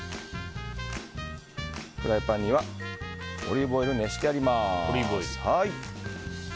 フライパンにはオリーブオイルを熱してあります。